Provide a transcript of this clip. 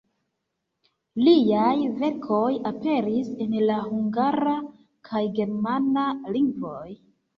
Liaj verkoj aperis en la hungara, kaj germana lingvoj.